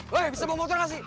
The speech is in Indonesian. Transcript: hei bisa bawa motor gak sih